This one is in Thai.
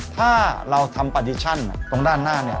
ถ้าเราทำปาดิชั่นตรงด้านหน้าเนี่ย